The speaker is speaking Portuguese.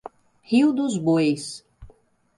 Rio dos Bois